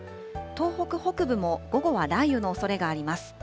東北北部も午後は雷雨のおそれがあります。